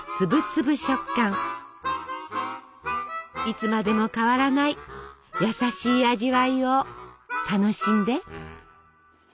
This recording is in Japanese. いつまでも変わらない優しい味わいを楽しんで。